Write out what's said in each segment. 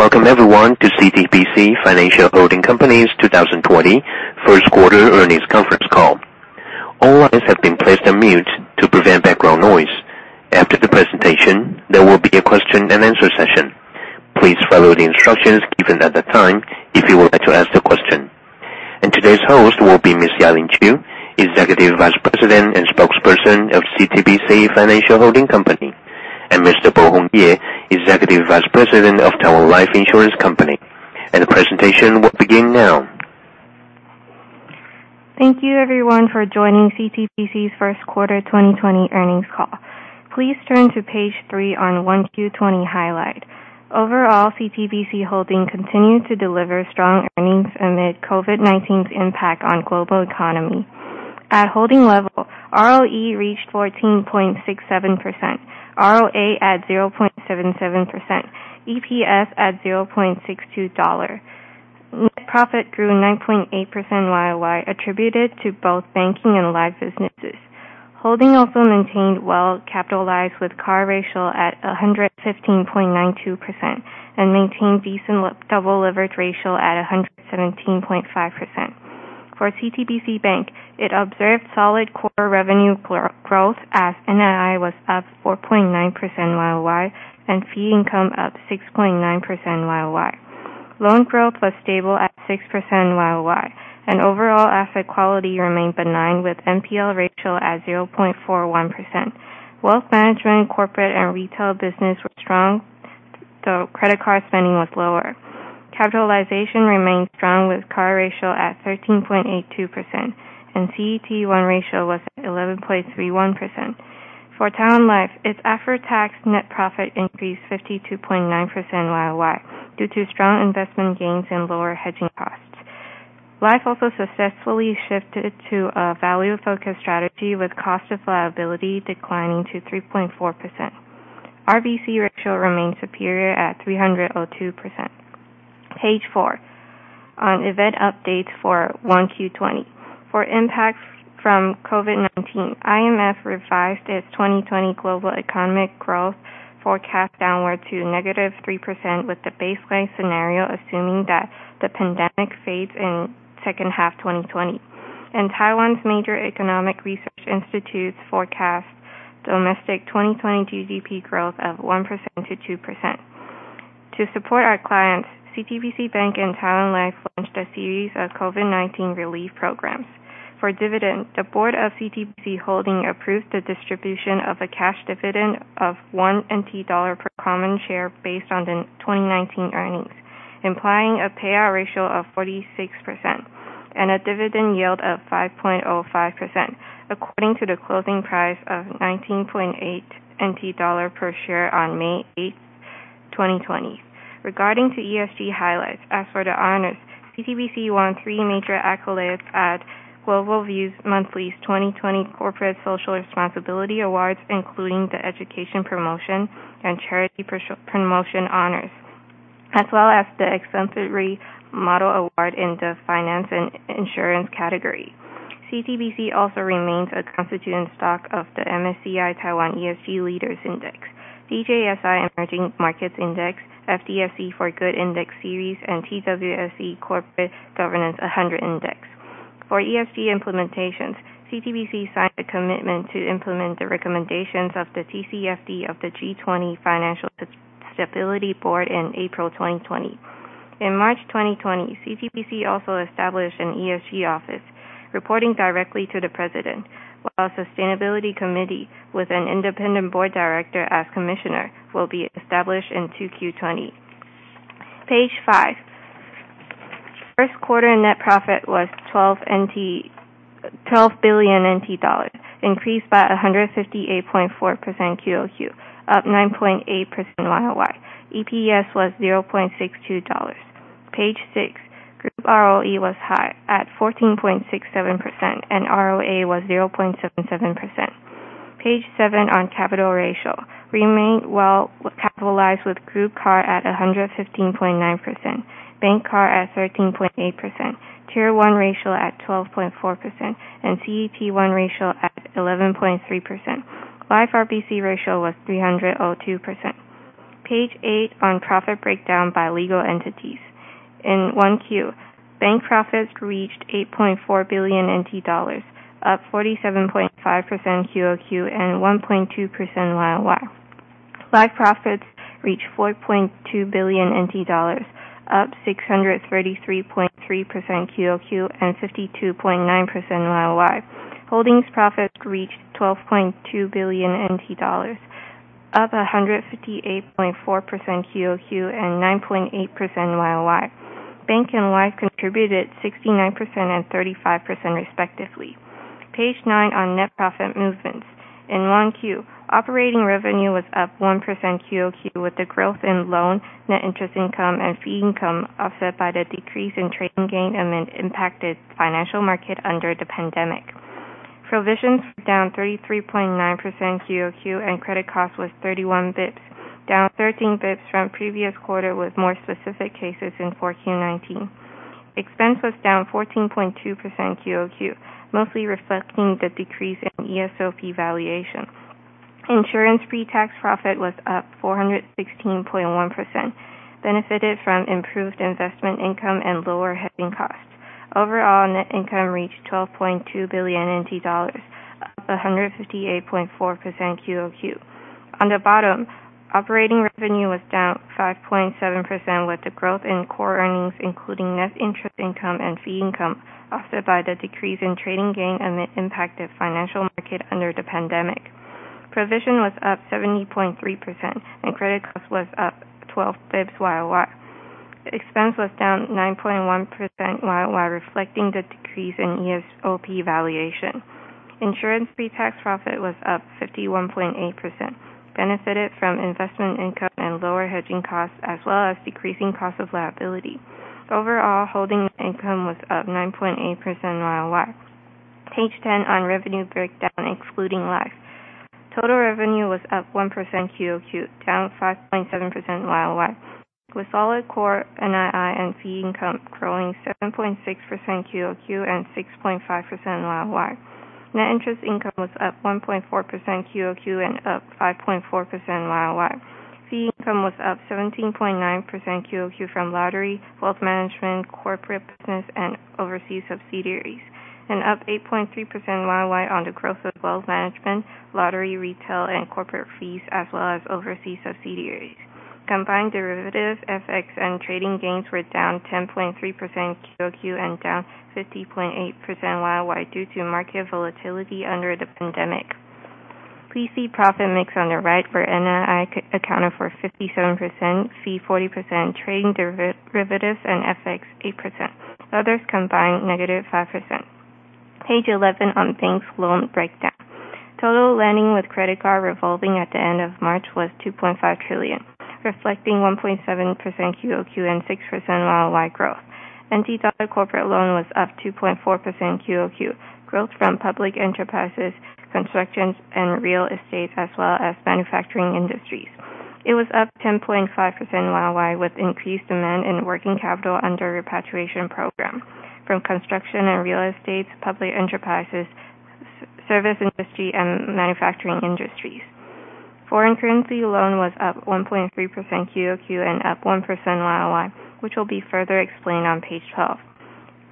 Welcome everyone to CTBC Financial Holding Company's 2020 first quarter earnings conference call. All lines have been placed on mute to prevent background noise. After the presentation, there will be a question and answer session. Please follow the instructions given at the time if you would like to ask a question. Today's host will be Ms. Yaling Qiu, Executive Vice President and Spokesperson of CTBC Financial Holding Company, and Mr. Bohong Ye, Executive Vice President of Taiwan Life Insurance Company. The presentation will begin now. Thank you everyone for joining CTBC's first quarter 2020 earnings call. Please turn to page three on 1Q20 highlight. Overall, CTBC Holding continued to deliver strong earnings amid COVID-19's impact on global economy. At holding level, ROE reached 14.67%, ROA at 0.77%, EPS at 0.62 dollar. Net profit grew 9.8% YOY, attributed to both banking and life businesses. Holding also maintained well capitalized with CAR ratio at 115.92%, and maintained decent double leverage ratio at 117.5%. For CTBC Bank, it observed solid core revenue growth as NII was up 4.9% YOY, and fee income up 6.9% YOY. Loan growth was stable at 6% YOY, and overall asset quality remained benign, with NPL ratio at 0.41%. Wealth management, corporate, and retail business were strong, though credit card spending was lower. Capitalization remained strong with CAR ratio at 13.82%, and CET1 ratio was at 11.31%. For Taiwan Life, its after-tax net profit increased 52.9% YOY, due to strong investment gains and lower hedging costs. Life also successfully shifted to a value-focused strategy, with cost of liability declining to 3.4%. RBC ratio remained superior at 302%. Page four on event updates for 1Q20. For impacts from COVID-19, IMF revised its 2020 global economic growth forecast downward to negative 3%, with the baseline scenario assuming that the pandemic fades in second half 2020. Taiwan's major economic research institutes forecast domestic 2020 GDP growth of 1% to 2%. To support our clients, CTBC Bank and Taiwan Life launched a series of COVID-19 relief programs. For dividend, the board of CTBC Holding approved the distribution of a cash dividend of one TWD per common share based on the 2019 earnings, implying a payout ratio of 46% and a dividend yield of 5.05%, according to the closing price of 19.8 NT dollar per share on May 8th, 2020. Regarding to ESG highlights, as for the honors, CTBC won three major accolades at Global Views Monthly's 2020 Corporate Social Responsibility Awards, including the Education Promotion, and Charity Promotion honors, as well as the Exemplary Model Award in the finance and insurance category. CTBC also remains a constituent stock of the MSCI Taiwan ESG Leaders Index, DJSI Emerging Markets Index, FTSE4Good Index Series, and TWSE Corporate Governance 100 Index. For ESG implementations, CTBC signed a commitment to implement the recommendations of the TCFD of the G20 Financial Stability Board in April 2020. In March 2020, CTBC also established an ESG office, reporting directly to the president, while Sustainability Committee, with an independent board director as commissioner, will be established in 2Q20. Page five. First quarter net profit was 12 billion NT dollars, increased by 158.4% QOQ, up 9.8% YOY. EPS was 0.62 dollars. Page six. Group ROE was high at 14.67%, and ROA was 0.77%. Page seven on capital ratio. Remain well capitalized with group CAR at 115.9%, Bank CAR at 13.8%, Tier 1 ratio at 12.4%, and CET1 ratio at 11.3%. Life RBC ratio was 302%. Page eight on profit breakdown by legal entities. In 1Q, bank profits reached 8.4 billion NT dollars, up 47.5% QOQ and 1.2% YOY. Life profits reached TWD 4.2 billion, up 633.3% QOQ and 52.9% YOY. Holding's profits reached 12.2 billion NT dollars, up 158.4% QOQ and 9.8% YOY. Bank and Life contributed 69% and 35% respectively. Page nine on net profit movements. In 1Q, operating revenue was up 1% QOQ with the growth in loan, net interest income, and fee income offset by the decrease in trading gain amid impacted financial market under the pandemic. Provisions were down 33.9% QOQ, and credit cost was 31 basis points, down 13 basis points from previous quarter with more specific cases in 4Q19. Expense was down 14.2% QOQ, mostly reflecting the decrease in ESOP valuation. Insurance pre-tax profit was up 416.1%, benefited from improved investment income and lower hedging costs. Overall, net income reached 12.2 billion NT dollars, up 158.4% QOQ. On the bottom, operating revenue was down 5.7%, with the growth in core earnings, including net interest income and fee income, offset by the decrease in trading gain and the impact of financial market under the pandemic. Provision was up 70.3%, and credit cost was up 12 basis points YoY. Expense was down 9.1% YoY, reflecting the decrease in ESOP valuation. Insurance pre-tax profit was up 51.8%, benefited from investment income and lower hedging costs, as well as decreasing cost of liability. Overall, holding income was up 9.8% YoY. Page 10 on revenue breakdown, excluding LAC. Total revenue was up 1% QOQ, down 5.7% YoY, with solid core NII and fee income growing 7.6% QOQ and 6.5% YoY. Net interest income was up 1.4% QOQ and up 5.4% YoY. Fee income was up 17.9% QOQ from lottery, wealth management, corporate business, and overseas subsidiaries, and up 8.3% YoY on the growth of wealth management, lottery, retail, and corporate fees, as well as overseas subsidiaries. Combined derivatives, FX, and trading gains were down 10.3% QOQ and down 50.8% YoY due to market volatility under the pandemic. Please see profit mix on the right where NII accounted for 57%, fee 40%, trading derivatives and FX 8%, others combined negative 5%. Page 11 on bank's loan breakdown. Total lending with credit card revolving at the end of March was 2.5 trillion, reflecting 1.7% QOQ and 6% YoY growth. TWD corporate loan was up 2.4% QOQ, growth from public enterprises, construction, and real estate, as well as manufacturing industries. It was up 10.5% YoY, with increased demand in working capital under repatriation program from construction and real estates, public enterprises, service industry, and manufacturing industries. Foreign currency loan was up 1.3% QOQ and up 1% YoY, which will be further explained on page 12.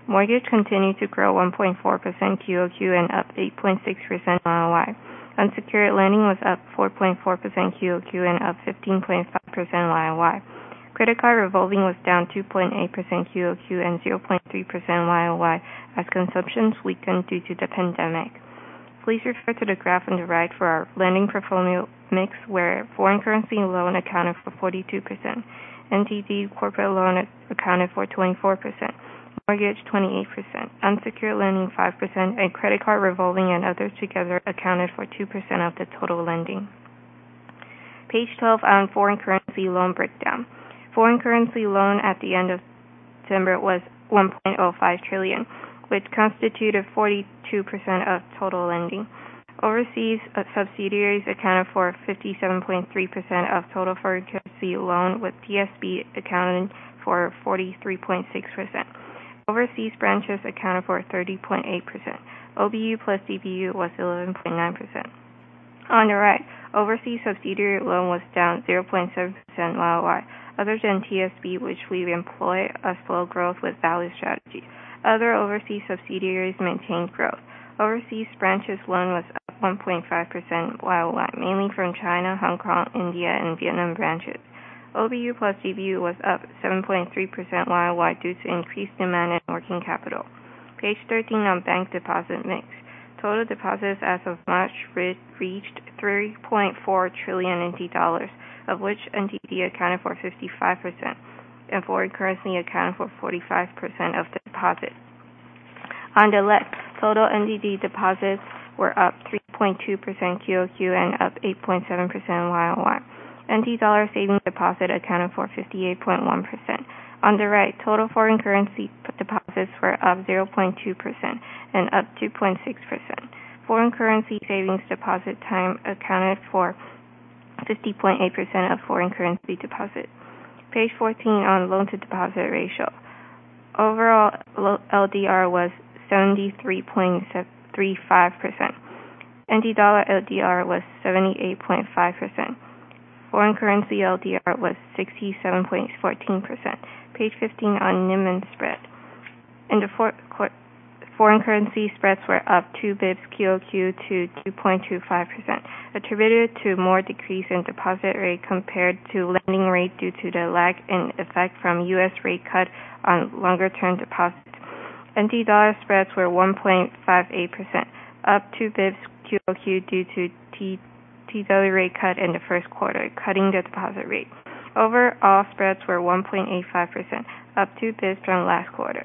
Mortgage continued to grow 1.4% QOQ and up 8.6% YoY. Unsecured lending was up 4.4% QOQ and up 15.5% YoY. Credit card revolving was down 2.8% QOQ and 0.3% YoY as consumptions weakened due to the pandemic. Please refer to the graph on the right for our lending portfolio mix, where foreign currency loan accounted for 42%, NTD corporate loan accounted for 24%, mortgage 28%, unsecured lending 5%, and credit card revolving and others together accounted for 2% of the total lending. Page 12 on foreign currency loan breakdown. Foreign currency loan at the end of September was 1.05 trillion, which constituted 42% of total lending. Overseas subsidiaries accounted for 57.3% of total foreign currency loan, with TSB accounting for 43.6%. Overseas branches accounted for 30.8%. OBU plus CBU was 11.9%. On the right, overseas subsidiary loan was down 0.7% YoY. Other than TSB, which we've employed a slow growth with value strategy, other overseas subsidiaries maintained growth. Overseas branches loan was up 1.5% YoY, mainly from China, Hong Kong, India, and Vietnam branches. OBU plus CBU was up 7.3% YoY due to increased demand in working capital. Page 13 on bank deposit mix. Total deposits as of March reached 3.4 trillion NT dollars, of which NTD accounted for 55%, and foreign currency accounted for 45% of the deposit. On the left, total NTD deposits were up 3.2% QOQ and up 8.7% YoY. NTD savings deposit accounted for 58.1%. On the right, total foreign currency deposits were up 0.2% and up 2.6%. Foreign currency savings deposit time accounted for 50.8% of foreign currency deposit. Page 14 on loan-to-deposit ratio. Overall, LDR was 73.35%. NTD LDR was 78.5%. Foreign currency LDR was 67.14%. Page 15 on NIM and spread. Foreign currency spreads were up two basis points QOQ to 2.25%, attributed to more decrease in deposit rate compared to lending rate due to the lag in effect from U.S. rate cut on longer term deposits. NTD spreads were 1.58%, up two basis points QOQ due to T-bill rate cut in the first quarter, cutting the deposit rate. Overall, spreads were 1.85%, up two basis points from last quarter.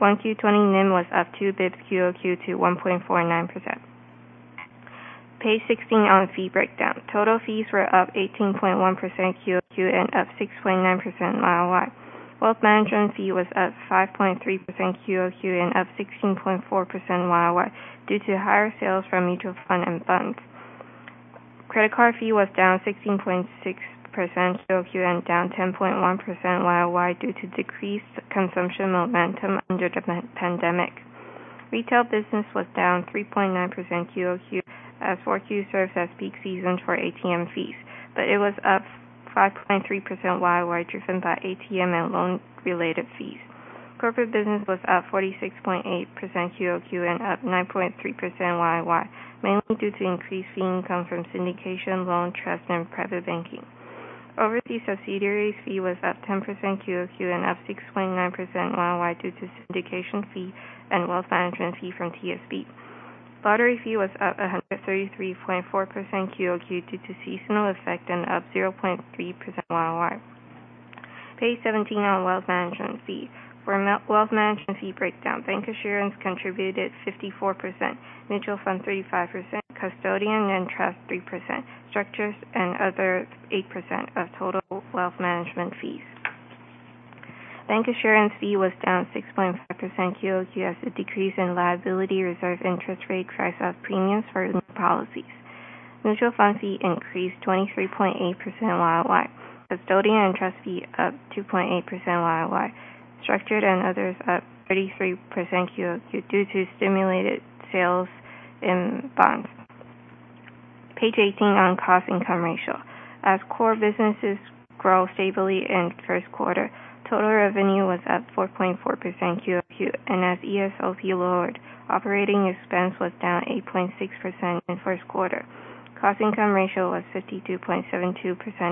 1Q20 NIM was up two basis points QOQ to 1.49%. Page 16 on fee breakdown. Total fees were up 18.1% QOQ and up 6.9% YoY. Wealth management fee was up 5.3% QOQ and up 16.4% YoY due to higher sales from mutual fund and bonds. Credit card fee was down 16.6% QOQ and down 10.1% YoY due to decreased consumption momentum under the pandemic. Retail business was down 3.9% QOQ as 4Q serves as peak season for ATM fees, but it was up 5.3% YoY, driven by ATM and loan-related fees. Corporate business was up 46.8% QOQ and up 9.3% YoY, mainly due to increased fee income from syndication, loan, trust, and private banking. Overseas subsidiaries fee was up 10% QOQ and up 6.9% YoY due to syndication fee and wealth management fee from TSB. Lottery fee was up 133.4% QOQ due to seasonal effect and up 0.3% YoY. Page 17 on wealth management fees. For wealth management fee breakdown, bank assurance contributed 54%, mutual funds 35%, custodian and trust 3%, structures and others 8% of total wealth management fees. Bank assurance fee was down 6.5% QOQ as a decrease in liability reserve interest rate priced up premiums for new policies. Mutual fund fee increased 23.8% YoY. Custodian and trust fee up 2.8% YoY. Structured and others up 33% QOQ due to stimulated sales in bonds. Page 18 on cost income ratio. As core businesses grow stably in the first quarter, total revenue was up 4.4% QOQ, and as ESOP lowered, operating expense was down 8.6% in the first quarter. Cost income ratio was 52.72%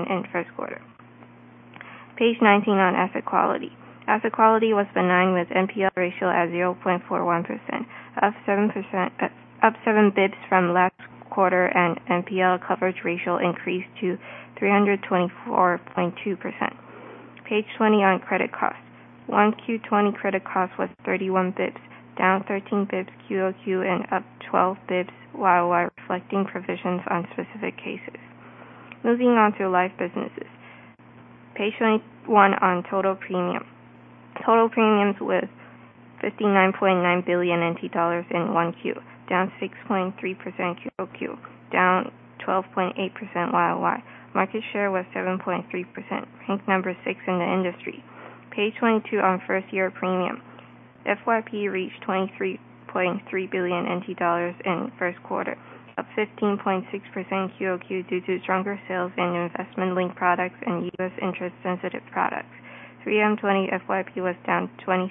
in the first quarter. Page 19 on asset quality. Asset quality was benign, with NPL ratio at 0.41%, up 7 bps from last quarter, and NPL coverage ratio increased to 324.2%. Page 20 on credit costs. 1Q20 credit cost was 31 bps, down 13 bps QOQ and up 12 bps YoY, reflecting provisions on specific cases. Moving on to life businesses. Page 21 on total premium. Total premiums was 59.9 billion NT dollars in 1Q, down 6.3% QOQ, down 12.8% YoY. Market share was 7.3%, ranked number 6 in the industry. Page 22 on first-year premium. FYP reached 23.3 billion NT dollars in the first quarter, up 15.6% QOQ due to stronger sales in investment-linked products and US interest-sensitive products. 3M20 FYP was down 26.9%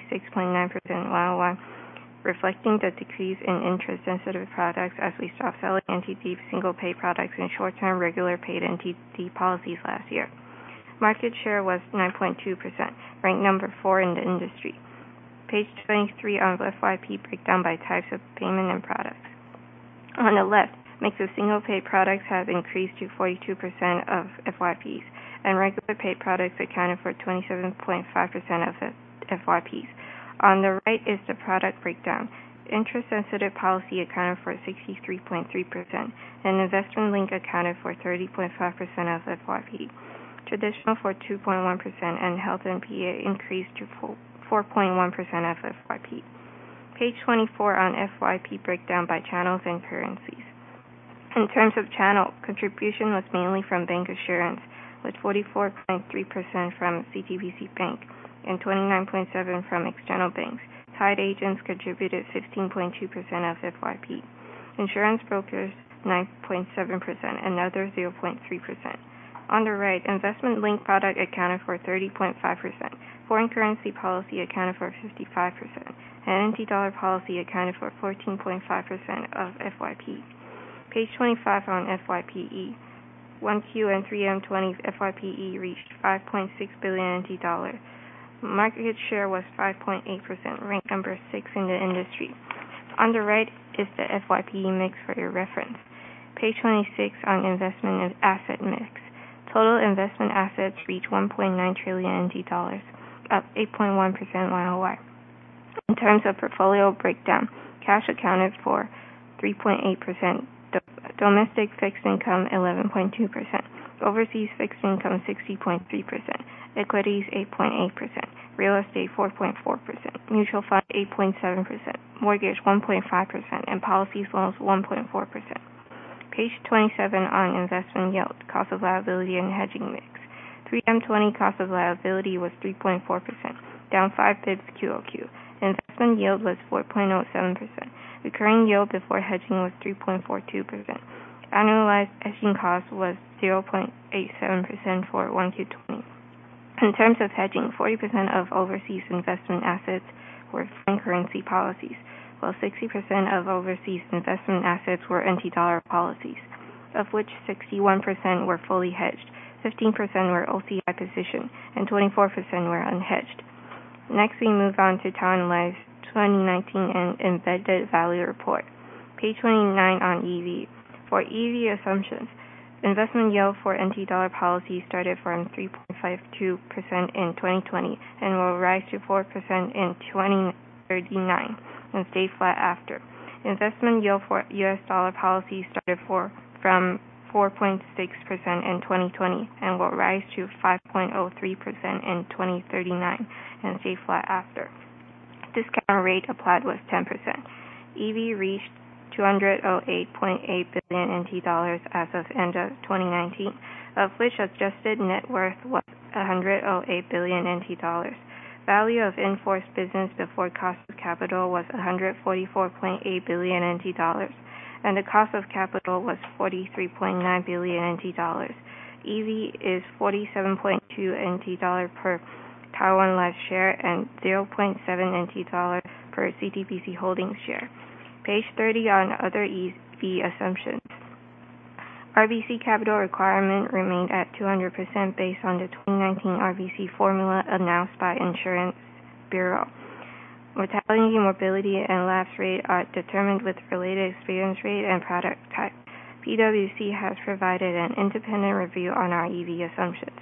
YoY, reflecting the decrease in interest-sensitive products as we stopped selling NTD single-pay products and short-term regular-paid NTD policies last year. Market share was 9.2%, ranked number 4 in the industry. Page 23 on FYP breakdown by types of payment and products. On the left, mix of single-pay products have increased to 42% of FYPs, and regular-pay products accounted for 27.5% of FYPs. On the right is the product breakdown. Interest-sensitive policy accounted for 63.3%, and investment link accounted for 30.5% of FYP, traditional for 2.1%, and health NPA increased to 4.1% of FYP. Page 24 on FYP breakdown by channels and currencies. In terms of channel, contribution was mainly from bank assurance, with 44.3% from CTBC Bank and 29.7% from external banks. Tied agents contributed 15.2% of FYP, insurance brokers 9.7%, and others 0.3%. On the right, investment-linked product accounted for 30.5%, foreign currency policy accounted for 55%, and NTD policy accounted for 14.5% of FYP. Page 25 on FYPE. 1Q and 3M20 FYPE reached 5.6 billion dollars. Market share was 5.8%, ranked number 6 in the industry. On the right is the FYPE mix for your reference. Page 26 on investment and asset mix. Total investment assets reached 1.9 trillion dollars, up 8.1% YoY. In terms of portfolio breakdown, cash accounted for 3.8%, domestic fixed income 11.2%, overseas fixed income 60.3%, equities 8.8%, real estate 4.4%, mutual funds 8.7%, mortgage 1.5%, and policy loans 1.4%. Page 27 on investment yield, cost of liability, and hedging mix. 3M20 cost of liability was 3.4%, down 5 bps QOQ. Investment yield was 4.07%. Recurring yield before hedging was 3.42%. Annualized hedging cost was 0.87% for 1Q20. In terms of hedging, 40% of overseas investment assets were foreign currency policies, while 60% of overseas investment assets were NTD policies, of which 61% were fully hedged, 15% were OCI position, and 24% were unhedged. Next, we move on to Taiwan Life's 2019 Embedded Value Report. Page 29 on EV. For EV assumptions, investment yield for NTD policy started from 3.52% in 2020 and will rise to 4% in 2039 and stay flat after. Investment yield for US dollar policy started from 4.6% in 2020 and will rise to 5.03% in 2039 and stay flat after. Discount rate applied was 10%. EV reached 208.8 billion NT dollars as of end of 2019, of which adjusted net worth was 108 billion NT dollars. Value of in-force business before cost of capital was 144.8 billion NT dollars, the cost of capital was 43.9 billion NT dollars. EV is 47.2 NT dollar per Taiwan Life share and 0.7 NT dollar per CTBC Holdings share. Page 30 on other EV assumptions. RBC capital requirement remained at 200% based on the 2019 RBC formula announced by Insurance Bureau. Mortality, morbidity, and lapse rate are determined with related experience rate and product type. PwC has provided an independent review on our EV assumptions.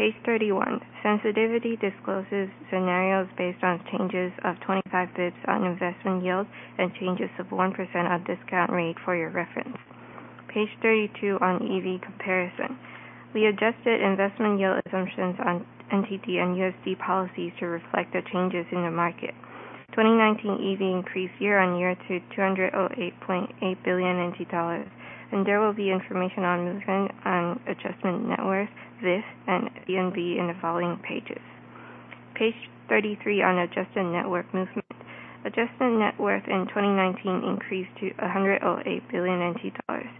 Page 31. Sensitivity discloses scenarios based on changes of 25 basis points on investment yield and changes of 1% on discount rate for your reference. Page 32 on EV comparison. We adjusted investment yield assumptions on TWD and USD policies to reflect the changes in the market. 2019 EV increased year-over-year to 208.8 billion, there will be information on movement on adjustment net worth, VIF, and VNB in the following pages. Page 33 on adjusted net worth movement. Adjusted net worth in 2019 increased to 108 billion NT dollars.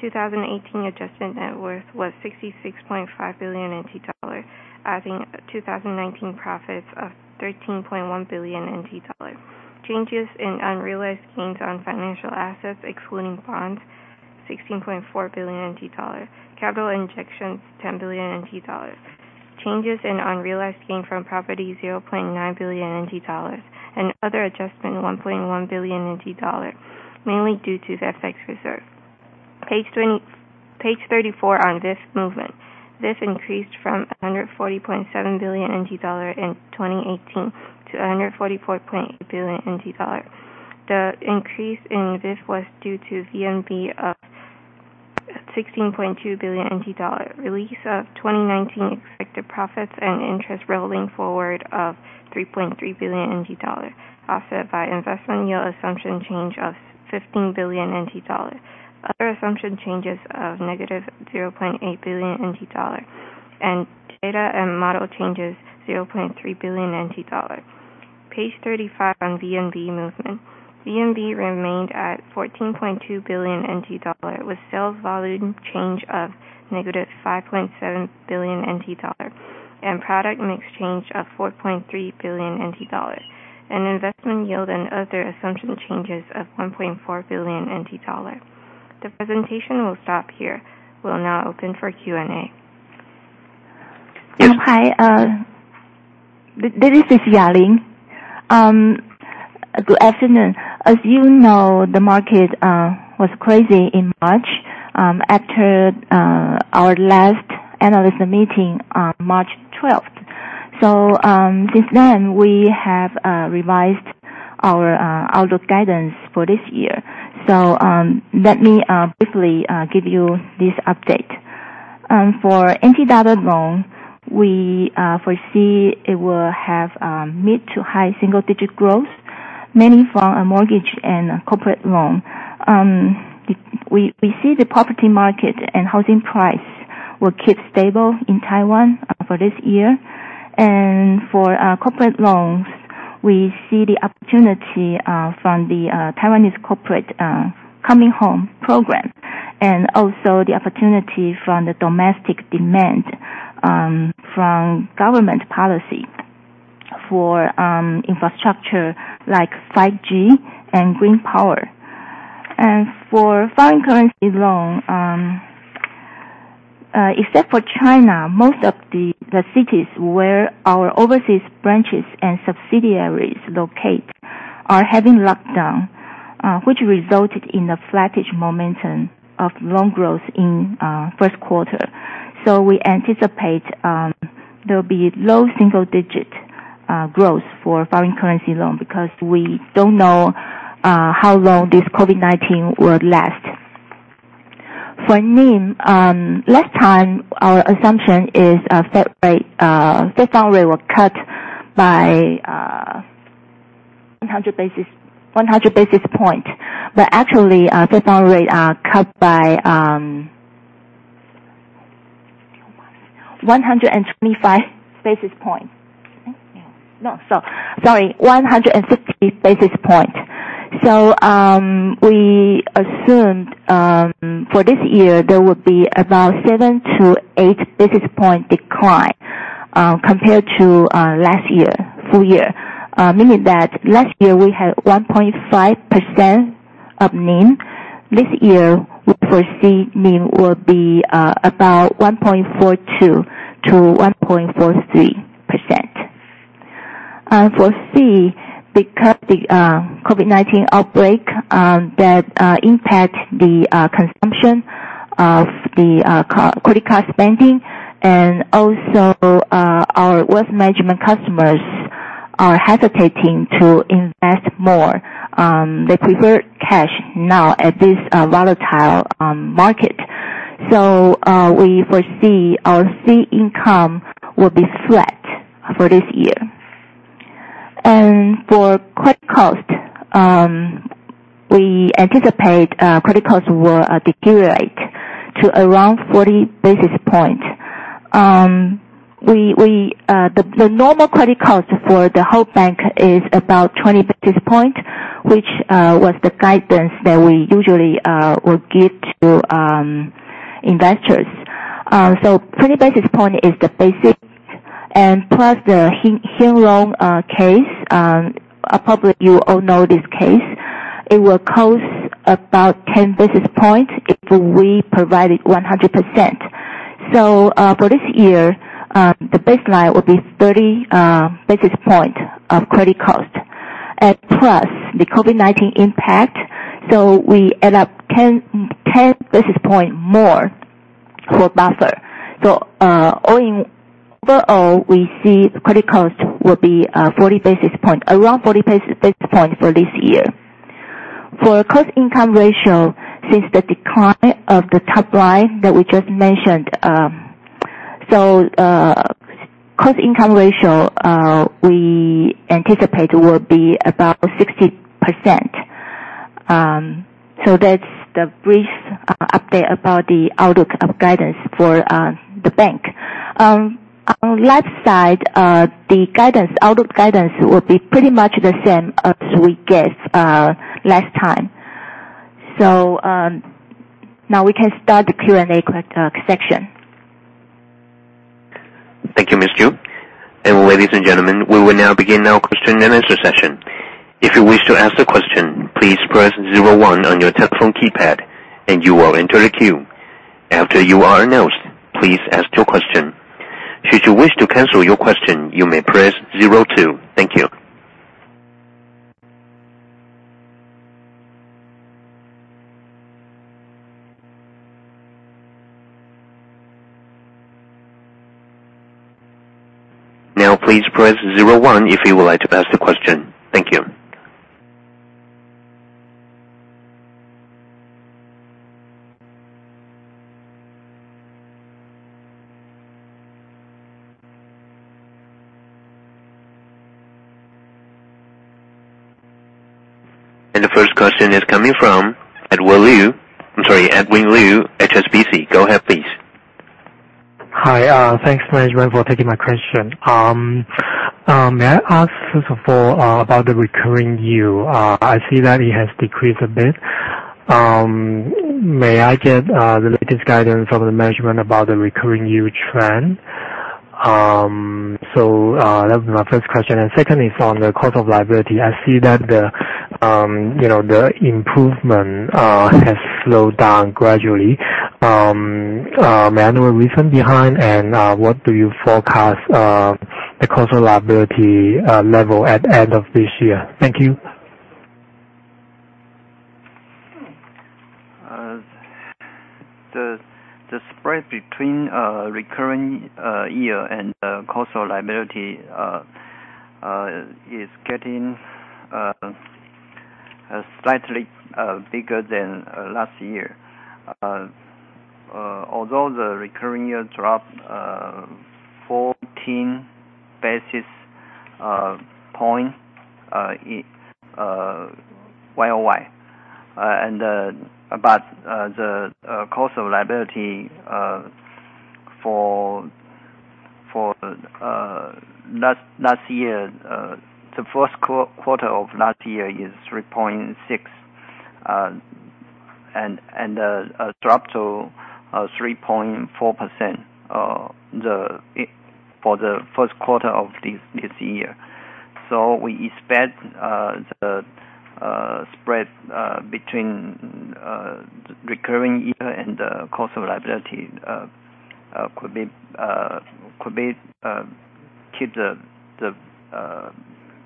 2018 adjusted net worth was 66.5 billion NT dollars, adding 2019 profits of 13.1 billion NT dollars. Changes in unrealized gains on financial assets, excluding bonds, 16.4 billion dollars. Capital injections, 10 billion dollars. Changes in unrealized gain from property, 0.9 billion dollars. Other adjustment, 1.1 billion dollars, mainly due to FX reserve. Page 34 on VIF movement. VIF increased from 140.7 billion NT dollar in 2018 to 144.8 billion NT dollar. The increase in VIF was due to VNB of 16.2 billion NT dollar, release of 2019 expected profits and interest rolling forward of 3.3 billion NT dollar, offset by investment yield assumption change of 15 billion NT dollar. Other assumption changes of negative 0.8 billion NT dollar, data and model changes, 0.3 billion NT dollar. Page 35 on VNB movement. VNB remained at 14.2 billion NT dollar with sales volume change of negative 5.7 billion NT dollar, product mix change of 4.3 billion NT dollar, investment yield and other assumption changes of 1.4 billion NT dollar. The presentation will stop here. We will now open for Q&A. Hi. This is Ya-Ling. Good afternoon. As you know, the market was crazy in March, after our last analyst meeting on March 12th. Since then, we have revised our outlook guidance for this year. Let me briefly give you this update. For TWD loan, we foresee it will have mid to high single-digit growth, mainly from our mortgage and corporate loan. We see the property market and housing price will keep stable in Taiwan for this year. For our corporate loans, we see the opportunity from the Taiwanese corporate coming home program, also the opportunity from the domestic demand from government policy for infrastructure like 5G and green power. For foreign currency loan, except for China, most of the cities where our overseas branches and subsidiaries locate are having lockdown, which resulted in a flattish momentum of loan growth in first quarter. We anticipate there'll be low single-digit growth for foreign currency loan because we don't know how long this COVID-19 will last. For NIM, last time, our assumption is Fed fund rate will cut by 100 basis point, but actually, Fed fund rate cut by 125 basis point. No. Sorry. 150 basis point. We assumed for this year, there will be about seven to eight basis point decline compared to last year, full year. Meaning that last year we had 1.5% of NIM. This year, we foresee NIM will be about 1.42%-1.43%. For fee, because the COVID-19 outbreak that impact the consumption of the credit card spending and also our wealth management customers are hesitating to invest more. They prefer cash now at this volatile market. We foresee our fee income will be flat for this year. For credit cost, we anticipate credit costs will deteriorate to around 40 basis points. The normal credit cost for the whole bank is about 20 basis points, which was the guidance that we usually would give to investors. 20 basis point is the basic, and plus the Huarong case, probably you all know this case. It will cost about 10 basis points if we provided 100%. For this year, the baseline will be 30 basis points of credit cost, and plus the COVID-19 impact, we end up 10 basis point more for buffer. Overall, we see the credit cost will be around 40 basis points for this year. For cost income ratio, since the decline of the top line that we just mentioned, cost income ratio we anticipate will be about 60%. That's the brief update about the outlook of guidance for the bank. On the left side, the outlook guidance will be pretty much the same as we gave last time. Now we can start the Q&A section. Thank you, Ms. Ju. Ladies and gentlemen, we will now begin our question and answer session. If you wish to ask a question, please press zero one on your telephone keypad and you will enter the queue. After you are announced, please ask your question. Should you wish to cancel your question, you may press zero two. Thank you. Now, please press zero one if you would like to ask the question. Thank you. The first question is coming from Edwin Liu, HSBC. Go ahead, please. Hi. Thanks management for taking my question. May I ask first of all about the recurring yield? I see that it has decreased a bit. May I get the latest guidance from the management about the recurring yield trend? That was my first question, and second is on the cost of liability. I see that the improvement has slowed down gradually. May I know a reason behind, and what do you forecast the cost of liability level at end of this year? Thank you. The spread between recurring yield and cost of liability is getting slightly bigger than last year. Although the recurring yield dropped 14 basis points YOY. The cost of liability for last year, the first quarter of last year is 3.6%, and dropped to 3.4% for the first quarter of this year. We expect the spread between recurring yield and cost of liability could keep the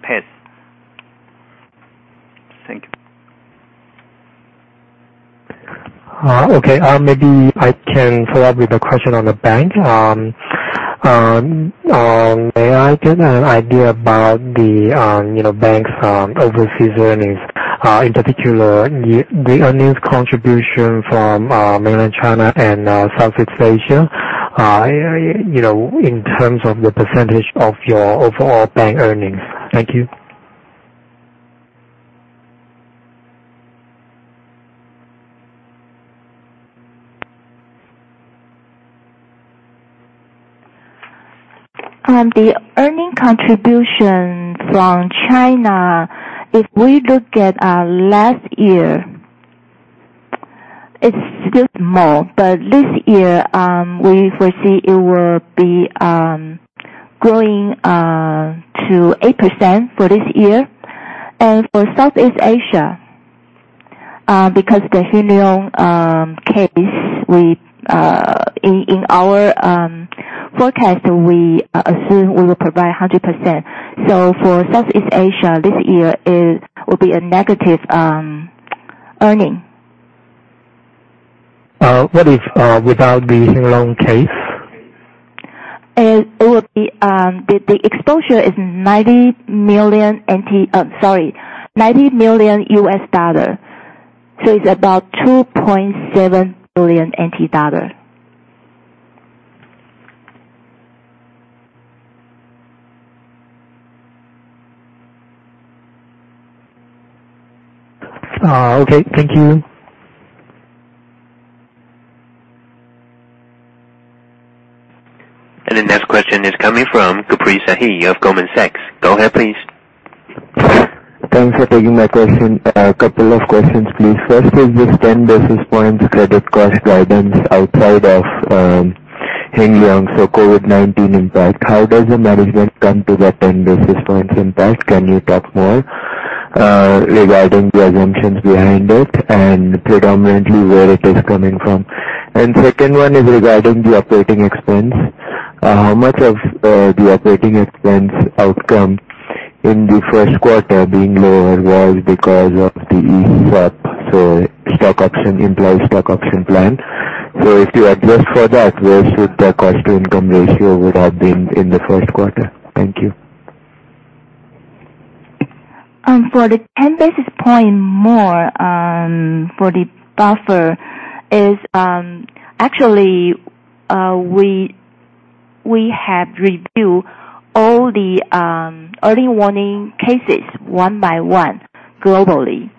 pace. Thank you. Maybe I can follow up with a question on the bank. May I get an idea about the bank's overseas earnings? In particular, the earnings contribution from Mainland China and Southeast Asia, in terms of the percentage of your overall bank earnings. Thank you. The earning contribution from China, if we look at last year, it's still small, but this year, we foresee it will be growing to 8% for this year. For Southeast Asia, because the Huarong case, in our forecast, we assume we will provide 100%. For Southeast Asia this year, it will be a negative earning. What if without the Huarong case? The exposure is $90 million. It is about TWD 2.7 billion. Okay, thank you. The next question is coming from Caprice Ahi of Goldman Sachs. Go ahead please. Thanks for taking my question. A couple of questions, please. First is this 10 basis points credit cost guidance outside of Heng Liangs or COVID-19 impact. How does the management come to that 10 basis points impact? Can you talk more regarding the assumptions behind it and predominantly where it is coming from? Second one is regarding the operating expense. How much of the operating expense outcome in the first quarter being lower was because of the ESOP, so employee stock option plan. If you adjust for that, where should the cost-to-income ratio would have been in the first quarter? Thank you. For the 10 basis point more, for the buffer is, actually, we have reviewed all the early warning cases one by one globally.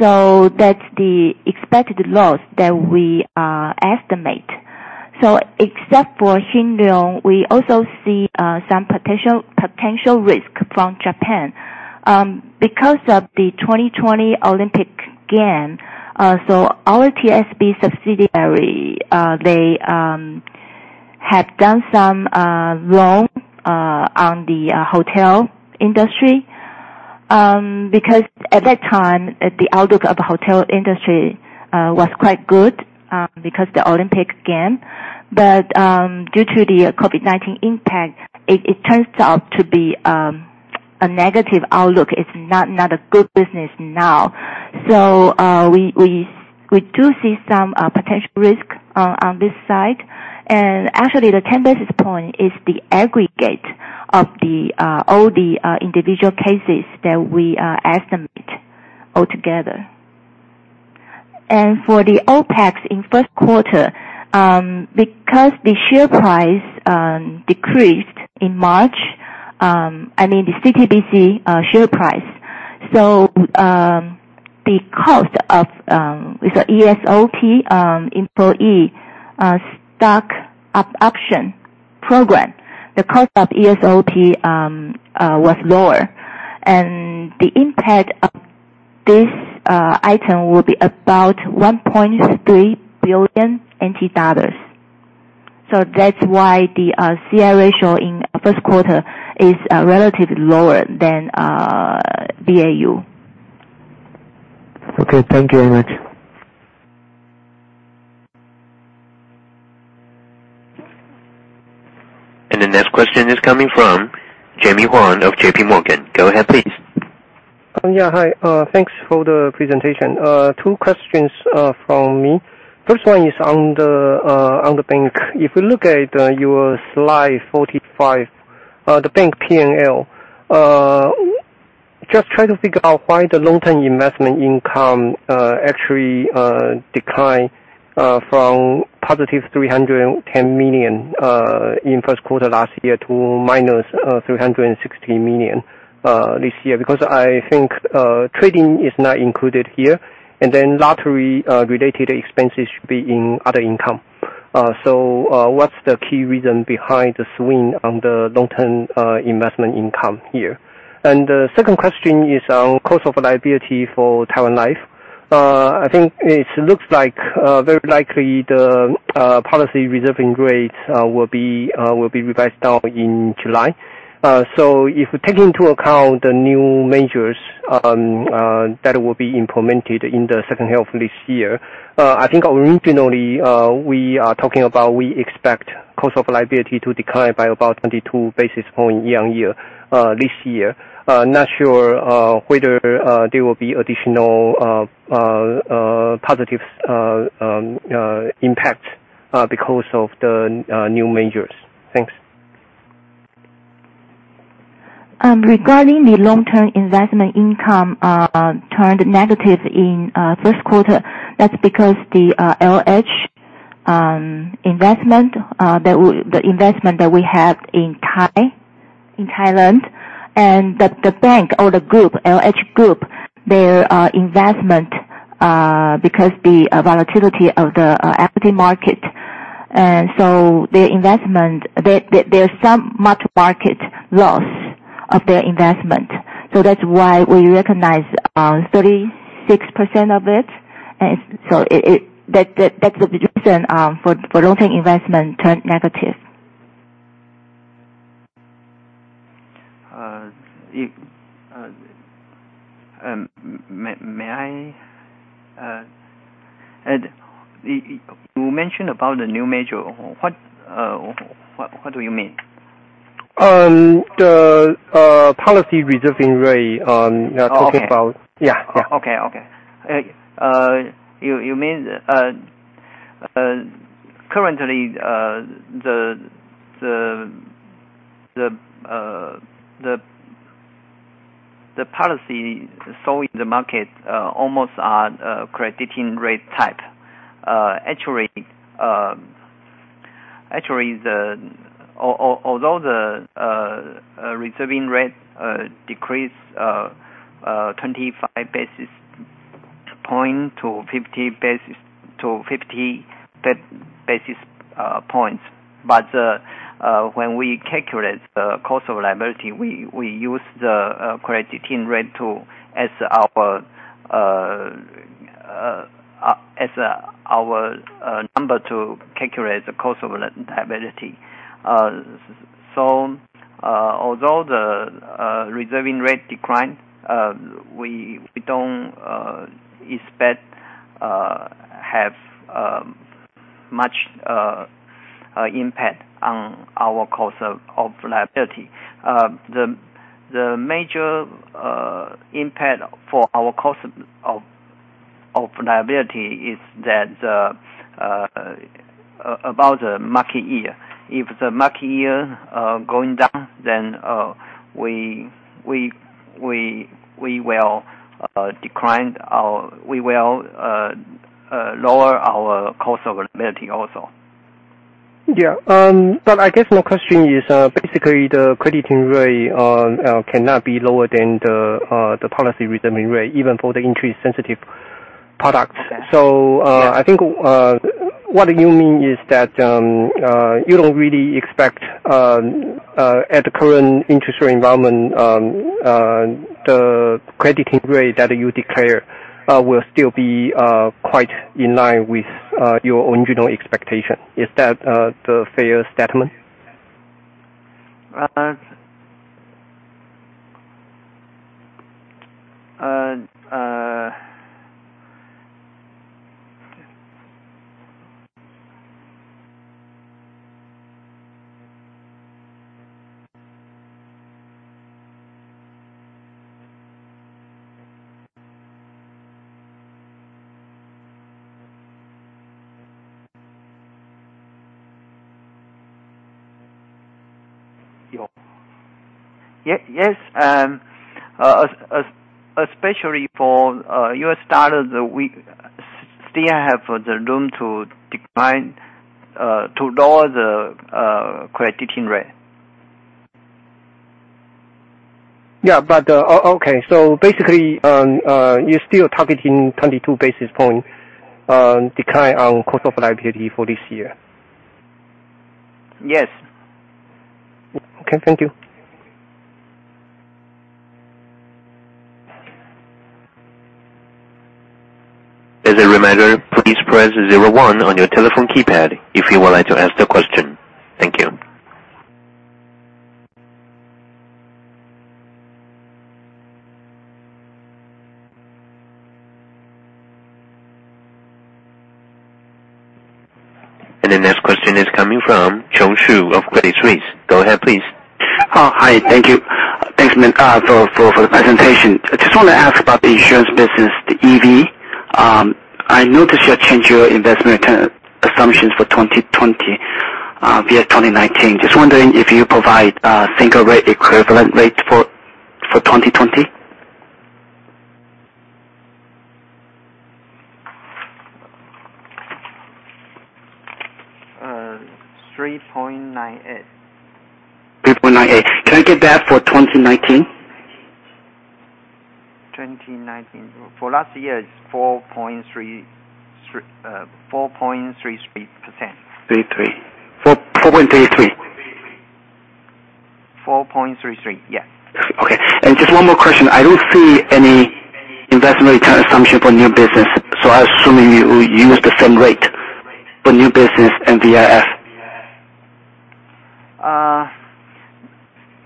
That's the expected loss that we estimate. Except for Heng Liangs, we also see some potential risk from Japan, because of the 2020 Olympic Games. Our TSB subsidiary, they have done some loan on the hotel industry, because at that time, the outlook of the hotel industry was quite good because the Olympic Games. But due to the COVID-19 impact, it turns out to be a negative outlook. It's not a good business now. We do see some potential risk on this side. Actually, the 10 basis point is the aggregate of all the individual cases that we estimate altogether. For the OPEX in first quarter, because the share price decreased in March, I mean the CTBC share price. Because of ESOP, employee stock option program, the cost of ESOP was lower, and the impact of this item will be about 1.3 billion NT dollars. That's why the CI ratio in first quarter is relatively lower than BAU. Okay. Thank you very much. The next question is coming from Jamie Wan of JP Morgan. Go ahead please. Yeah. Hi. Thanks for the presentation. Two questions from me. First one is on the bank. If you look at your slide 45, the bank P&L. Just trying to figure out why the long-term investment income actually decline from positive 310 million in first quarter last year to minus 360 million this year, because I think trading is not included here, and then lottery-related expenses should be in other income. What's the key reason behind the swing on the long-term investment income here? The second question is on cost of liability for Taiwan Life. I think it looks like very likely the policy reserving rates will be revised down in July. If we take into account the new measures that will be implemented in the second half of this year, I think originally, we are talking about we expect cost of liability to decline by about 22 basis point year-on-year this year. Not sure whether there will be additional positive impact because of the new measures. Thanks. Regarding the long-term investment income turned negative in first quarter, that's because the LH investment, the investment that we have in Thailand and the bank or the group, LH Group, their investment, because the volatility of the equity market. Their investment, there's some much market loss of their investment. That's why we recognize 36% of it. That's the reason for long-term investment turned negative. You mentioned about the new measure. What do you mean? The policy reserving rate talking about. Okay. Yeah. Okay. You mean, currently the policy saw in the market almost are crediting rate type. Actually, although the reserving rate decreased 25 basis point to 50 basis points, when we calculate the cost of liability, we use the crediting rate tool as our number to calculate the cost of liability. Although the reserving rate declined, we don't expect have much impact on our cost of liability. The major impact for our cost of liability is about the market yield. If the market yield going down, we will lower our cost of liability also. Yeah. I guess my question is basically the crediting rate cannot be lower than the policy reserving rate, even for the interest-sensitive products. Okay. Yeah. I think what you mean is that you don't really expect at the current interest rate environment, the crediting rate that you declare will still be quite in line with your original expectation. Is that the fair statement? Yes. Especially for US dollar, we still have the room to decline, to lower the crediting rate. Yeah. Okay. Basically, you're still targeting 22 basis point decline on cost of liability for this year? Yes. Okay. Thank you. As a reminder, please press zero one on your telephone keypad if you would like to ask the question. Thank you. The next question is coming from Chung Hsu of Credit Suisse. Go ahead, please. Oh, hi. Thank you. Thanks for the presentation. I just want to ask about the insurance business, the EV. I noticed you changed your investment assumptions for 2020 via 2019. Just wondering if you provide single rate equivalent rate for 2020? 3.98. 3.98%. Can I get that for 2019? 2019. For last year, it's 4.33%. Three three. 4.33? 4.33, yeah. Okay. Just one more question. I don't see any investment return assumption for new business, I assume you use the same rate for new business and VIF?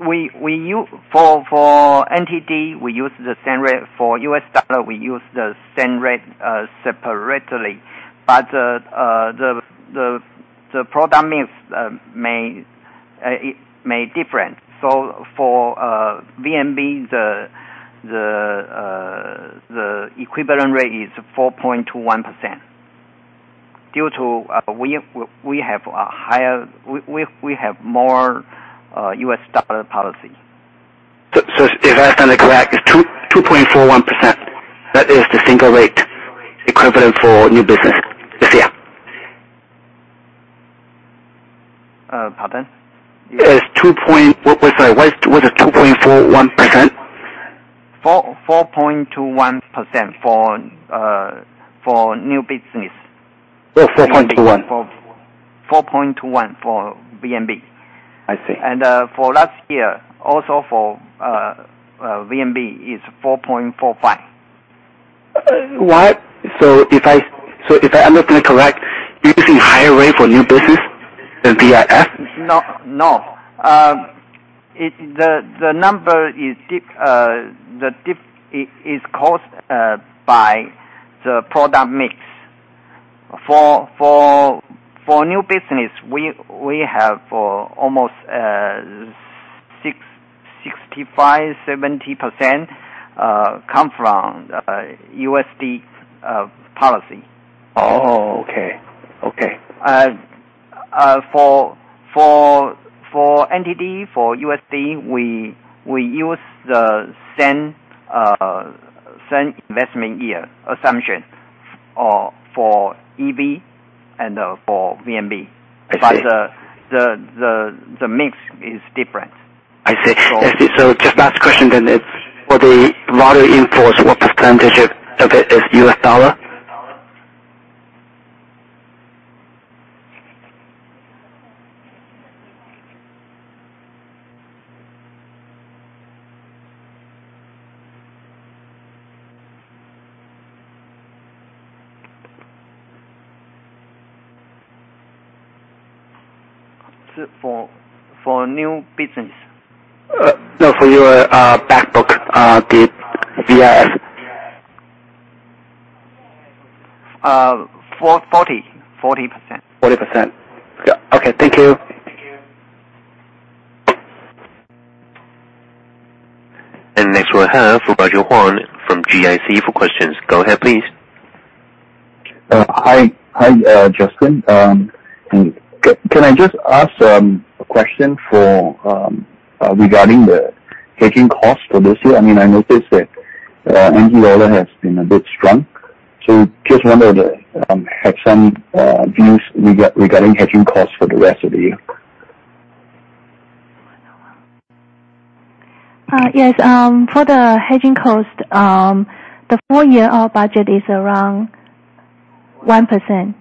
For TWD, we use the same rate. For USD, we use the same rate separately. The product mix may different. For VNB, the equivalent rate is 4.21% due to we have more USD policy. If I understand it correct, it's 2.41%, that is the single rate equivalent for new business this year? Pardon? Sorry, was it 2.41%? 4.21% for new business. 4.21. 4.21 for VNB. I see. For last year, also for VNB, it's 4.45. If I understand it correct, you're using higher rate for new business than VIF? No. The dip is caused by the product mix. For new business, we have almost 65%-70% come from USD policy. Oh, okay. For entity, for USD, we use the same investment year assumption for EB and for VNB. I see. The mix is different. I see. Just last question then. For the lottery imports, what percentage of it is US dollar? For new business? No, for your back book, the VIF. 40%. 40%. Yeah. Okay. Thank you. Next we'll have Roger Huang from GIC for questions. Go ahead please. Hi, Justine. Can I just ask a question regarding the hedging cost for this year? I noticed that NT dollar has been a bit strong. Just wonder if you have some views regarding hedging costs for the rest of the year. Yes. For the hedging cost, the full year budget is around 1%.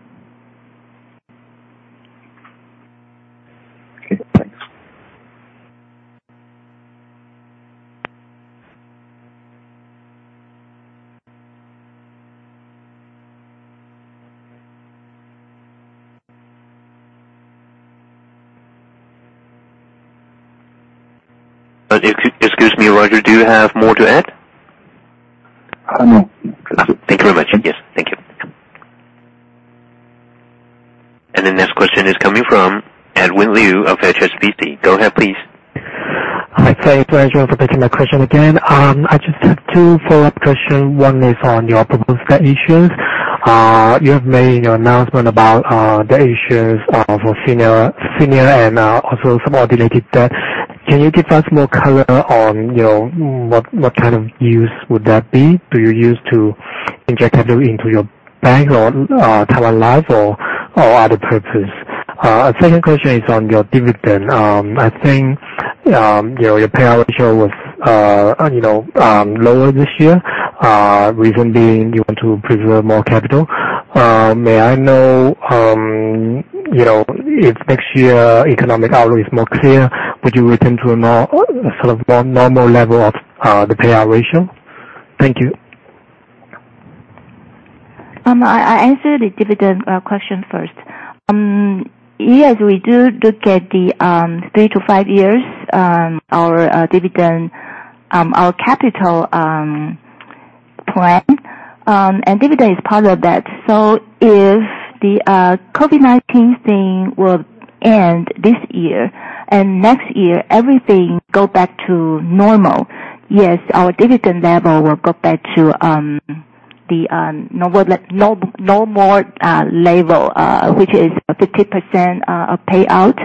Okay, thanks. Excuse me, Roger, do you have more to add? No. Thank you very much. Yes. Thank you. The next question is coming from Edwin Liu of HSBC. Go ahead, please. Hi. Thanks for taking my question again. I just have two follow-up questions. One is on your proposed debt issues. You have made your announcement about the issues of senior and also subordinated debt. Can you give us more color on what kind of use would that be? Do you use to inject into your bank or Taiwan Life or other purpose? Second question is on your dividend. I think your payout ratio was lower this year, reason being you want to preserve more capital. May I know, if next year economic outlook is more clear, would you return to a more normal level of the payout ratio? Thank you. I answer the dividend question first. Yes, we do look at the three to five years, our capital plan. Dividend is part of that. If the COVID-19 thing will end this year, and next year everything go back to normal, yes, our dividend level will go back to the normal level, which is 50% payout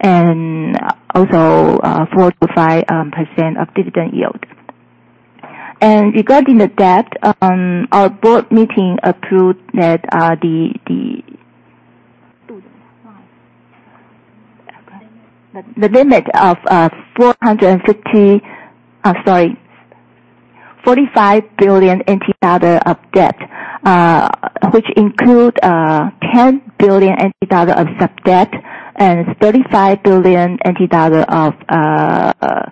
and also 4%-5% of dividend yield. Regarding the debt, our board meeting approved the limit of 45 billion NT dollar of debt, which include 10 billion NT dollar of sub-debt and 35 billion NT dollar of debt.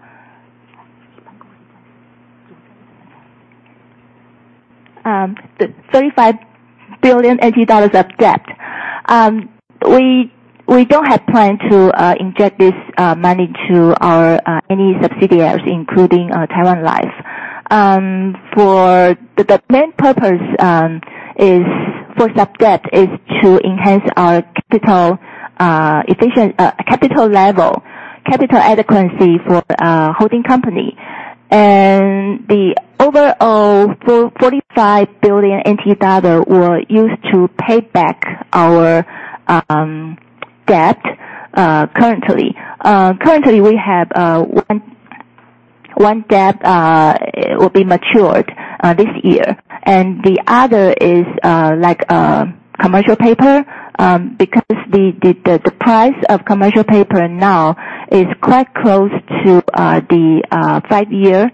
We don't have plan to inject this money to any subsidiaries, including Taiwan Life. The main purpose for sub-debt is to enhance our capital level, capital adequacy for holding company. The overall TWD 445 billion were used to pay back our debt currently. Currently, we have one debt will be matured this year. The other is commercial paper, because the price of commercial paper now is quite close to the five-year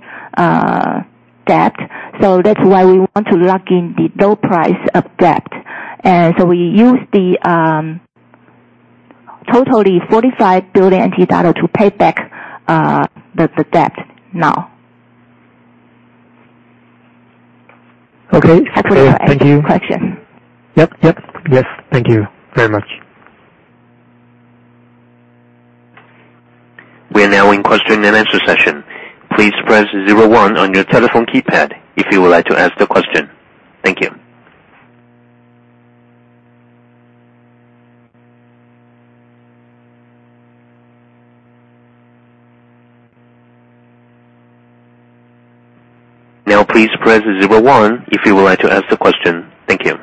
debt. That's why we want to lock in the low price of debt. We use the totally TWD 45 billion to pay back the debt now. Okay. Thank you. Hope that answered your question. Yep. Thank you very much. We are now in question and answer session. Please press zero one on your telephone keypad if you would like to ask a question. Thank you. Now please press zero one if you would like to ask the question. Thank you.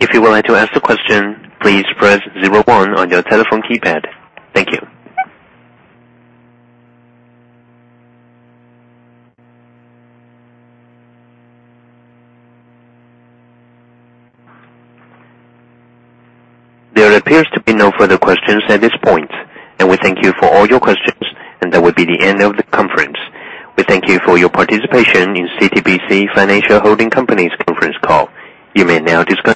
If you would like to ask a question, please press zero one on your telephone keypad. Thank you. There appears to be no further questions at this point, and we thank you for all your questions, and that will be the end of the conference. We thank you for your participation in CTBC Financial Holding Company's conference call. You may now disconnect.